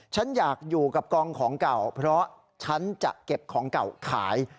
ฉันอยากอยู่กับกองของเก่าเพราะฉันจะเก็บของเก่าขาย